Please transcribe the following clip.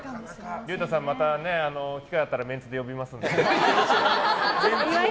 竜太さん、また機会があったらメンツで呼びますので。